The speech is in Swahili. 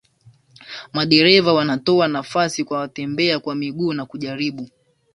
Madereva wanatoa nafasi kwa watembea kwa miguu na kujaribu